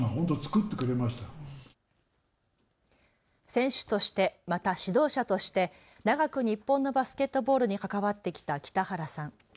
選手として、また指導者として長く日本のバスケットボールに関わってきた北原さん。